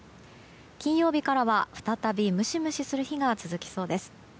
金曜日からは再びムシムシする日が続きそうです。